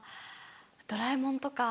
『ドラえもん』とか。